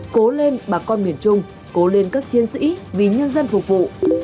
cố lên bà con miền trung cố lên các chiến sĩ vì nhân dân phục vụ